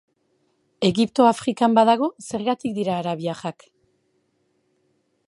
Egipto Afrikan badago, zergatik dira arabiarrak?